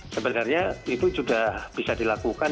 sebenarnya itu sudah bisa dilakukan